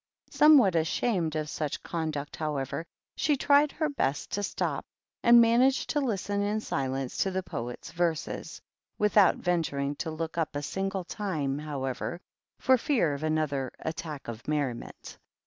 Somewhat ashan THE GREAT OCCASION. 263 of such conduct, however, she tried her best to stop, and managed to listen in silence to the Poet's verses, without venturing to look up a single time, however, for fear of another attack of merriment.